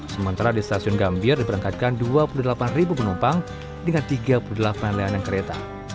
sementara di stasiun gambir diberangkatkan dua puluh delapan penumpang dengan tiga puluh delapan layanan kereta